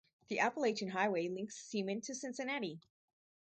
The Appalachian Highway links Seaman to Cincinnati.